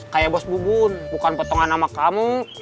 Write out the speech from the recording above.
kayak bos bubun bukan potongan nama kamu